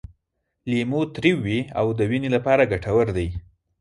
لیمو تریو وي او د وینې لپاره ګټور دی.